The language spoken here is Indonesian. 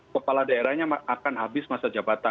kepala daerahnya akan habis masa jabatan